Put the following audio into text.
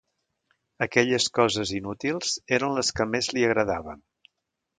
Aquelles coses inútils eren les que més li agradaven